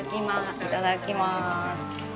いただきます。